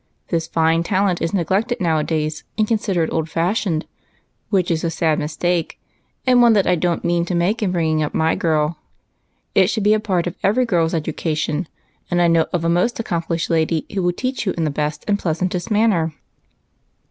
This fine talent is neglected nowadays, and considered old fashioned, which is a sad mistake, and one that I don't mean to make in bringing up my girl. It should be a part of every girl's education, and I know of a most accom plished lady who will teach you in the best and pleas antest manner."